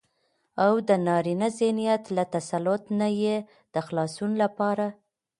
او دنارينه ذهنيت له تسلط نه يې د خلاصون لپاره